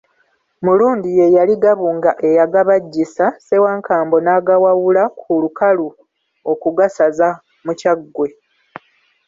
Mulundi ye yali Gabunga eyagabajjisa, Ssewankambo n'agawalula ku lukalu okugasaza mu Kyaggwe.